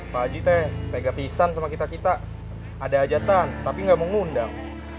pak ajite pegang pisang sama kita kita ada hajatan tapi nggak mau ngundang